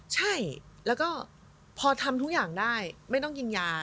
ใช่แล้วก็พอทำทุกอย่างได้ไม่ต้องกินยา